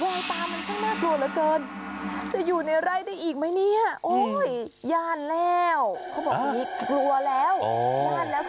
แววตามันช่างน่ากลัวเหลือเกินจะอยู่ในไร้ได้อีกไหมเนี่ยโอ้ยย่านแล้วเขาบอกอีกกลัวแล้ว